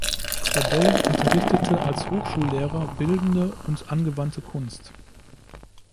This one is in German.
Crodel unterrichtete als Hochschullehrer bildende und angewandte Kunst.